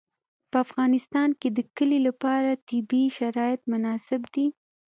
په افغانستان کې د کلي لپاره طبیعي شرایط مناسب دي.